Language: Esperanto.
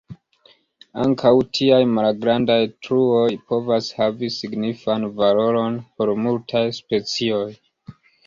Ankaŭ tiaj malgrandaj truoj povas havi signifan valoron por multaj specioj.